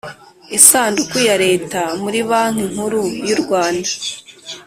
isanduku ya Leta muri Banki Nkuru y u Rwanda